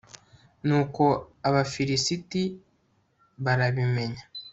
nuko abafilisiti barabimenya